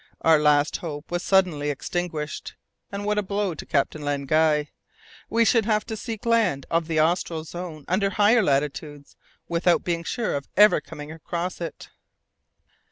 Our last hope was suddenly extinguished. And what a blow to Captain Len Guy! We should have to seek this land of the austral zone under higher latitudes without being sure of ever coming across it!